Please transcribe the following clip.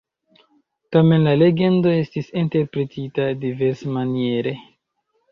Tamen la legendo estis interpretita diversmaniere.